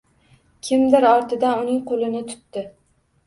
Kimdir ortidan uning qoʻlini tutdi.